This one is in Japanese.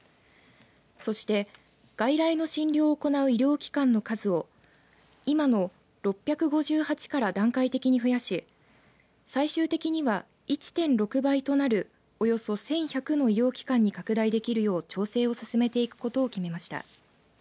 そして外来の診療を行う医療機関の数を今の６５８から段階的に増やし最終的には１．６倍となるおよそ１１００の医療機関に拡大できるよう調整を進めていくことを決めました。